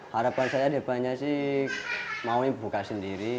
harapan saya deh banyak sih maunya buka sendiri